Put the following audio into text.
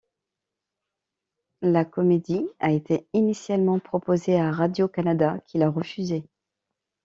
La comédie a été initialement proposée à Radio-Canada qui l'a refusée.